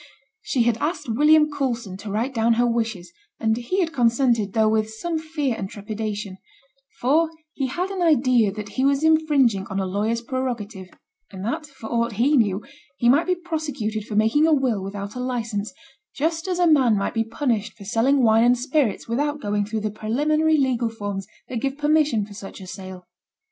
She had asked William Coulson to write down her wishes, and he had consented, though with some fear and trepidation; for he had an idea that he was infringing on a lawyer's prerogative, and that, for aught he knew, he might be prosecuted for making a will without a licence, just as a man might be punished for selling wine and spirits without going through the preliminary legal forms that give permission for such a sale.